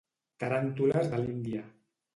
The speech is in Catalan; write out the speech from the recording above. Taràntules de l'Índia.